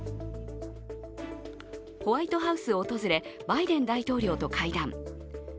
ホワイトハウスを訪れ、バイデン大統領を会談。